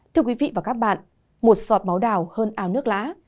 thưa quý vị và các bạn một sọt máu đào hơn áo nước lã